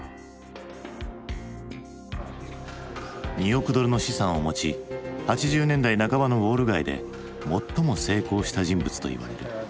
２億ドルの資産を持ち８０年代半ばのウォール街で最も成功した人物といわれる。